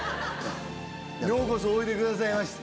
ようこそおいでくださいました。